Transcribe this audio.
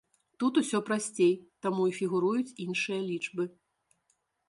Тут усё прасцей, таму і фігуруюць іншыя лічбы.